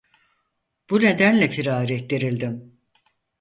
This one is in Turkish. Bu nedenle firar ettirildim.